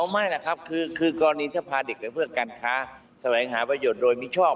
ไม่นะครับคือกรณีทภาพเด็กเพื่อการค้าสวัสดีหาประโยชน์โดยมีชอบ